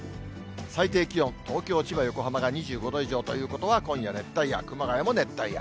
最低気温、東京、千葉、横浜が２５度以上ということは、今夜熱帯夜、熊谷も熱帯夜。